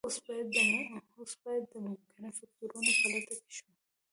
اوس باید د ممکنه فکتورونو په لټه کې شو